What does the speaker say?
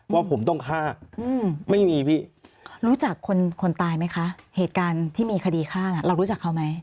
ว่าผมต้องฆ่าไม่มีพี่รู้จักคนคนตายไหมคะเหตุการณ์ที่มีคดีฆ่าน่ะเรารู้จักเขาไหม